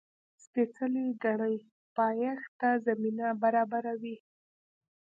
سپېڅلې کړۍ پایښت ته زمینه برابروي.